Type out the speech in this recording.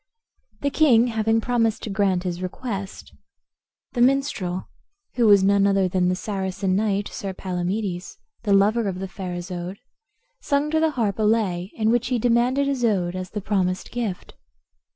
The king having promised to grant his request, the minstrel, who was none other than the Saracen knight, Sir Palamedes, the lover of the fair Isoude, sung to the harp a lay, in which he demanded Isoude as the promised gift.